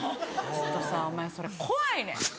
ちょっとお前さそれ怖いねん」